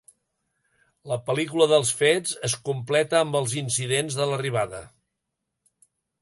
La pel·lícula dels fets es completa amb els incidents de l'arribada.